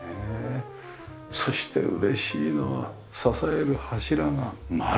そして嬉しいのは支える柱が丸。